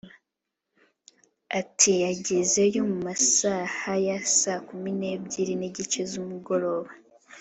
Ati “Yagezeyo mu masaha ya saa Kumi n’ebyiri n’igice z’umugoroba